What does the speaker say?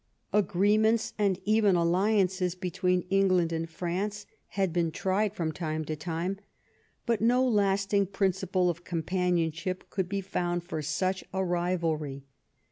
Agreements, and even alliances, between England and France had been tried from time to time, but no lasting principle of companionship could be found for such a rivalry.